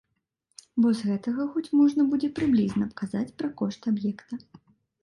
Бо з гэтага хоць можна будзе прыблізна казаць пра кошт аб'екта.